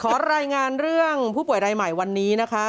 ขอรายงานเรื่องผู้ป่วยรายใหม่วันนี้นะคะ